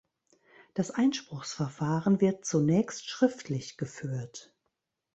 Das Einspruchsverfahren wird zunächst schriftlich geführt.